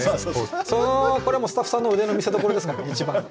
これもスタッフさんの腕の見せどころですからね一番の。